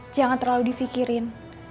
jangan terlalu difikirin